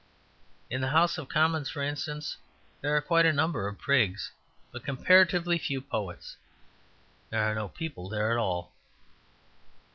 In the House of Commons, for instance, there are quite a number of prigs, but comparatively few poets. There are no People there at all.